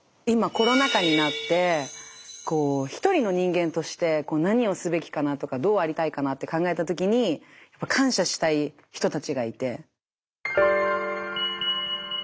今コロナ禍になって一人の人間として何をすべきかなとかどうありたいかなって考えた時に感謝したい人たちがいて。